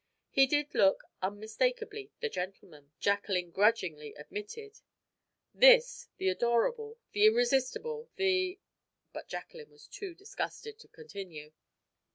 He did look unmistakably the gentleman, Jacqueline grudgingly admitted. This the adorable, the irresistible, the But Jacqueline was too disgusted to continue.